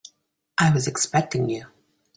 I was expecting you.